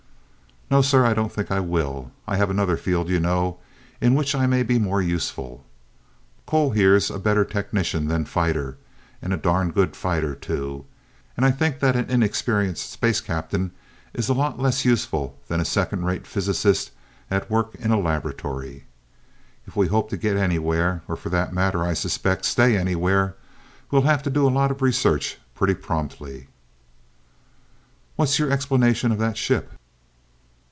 "No, sir, I don't think I will. I have another field you know, in which I may be more useful. Cole here's a better technician than fighter and a darned good fighter, too and I think that an inexperienced space captain is a lot less useful than a second rate physicist at work in a laboratory. If we hope to get anywhere, or for that matter, I suspect, stay anywhere, we'll have to do a lot of research pretty promptly." "What's your explanation of that ship?"